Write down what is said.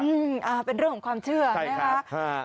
เป็นเรื่องของความเชื่อใช่ไหมครับ